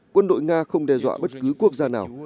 quân đội nga không đe dọa bất cứ quốc gia nào